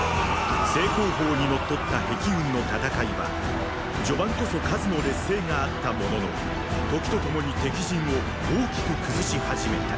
正攻法にのっとった壁軍の戦いは序盤こそ数の劣勢があったものの時とともに敵陣を大きく崩し始めた。